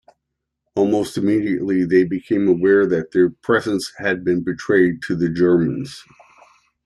Almost immediately they became aware that their presence had been betrayed to the Germans.